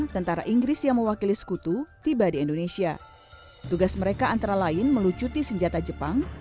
tentara inggris yang mewakili sekutu tiba di indonesia tugas mereka antara lain melucuti senjata jepang